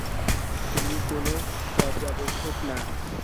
তুমি কোনো পর্যাবেক্ষক না।